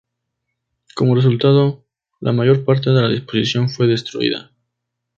Como resultado, la mayor parte de la disposición fue destruida.